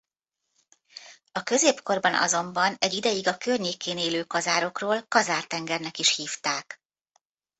A középkorban azonban egy ideig a környékén élő kazárokról Kazár-tengernek is hívták.